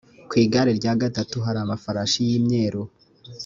ku igare rya gatatu hari amafarashi y imyeru